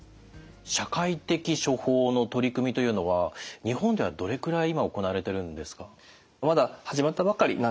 社会的処方の取り組みというのは日本ではどれくらい今行われてるんですか？